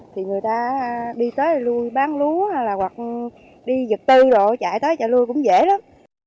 thì người ta đi tới lùi bán lúa hoặc đi dựt tư rồi chạy tới chạy lùi cũng dễ lắm